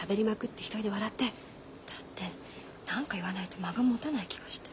だって何か言わないと間がもたない気がして。